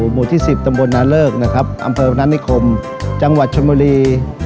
หมู่ที่๑๐ตำบลนาเลิกนะครับอำเภอพนานิคมจังหวัดชนบุรี